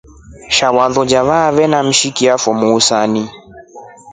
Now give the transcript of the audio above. Sha ulolie ife na mshiki afo muhusani.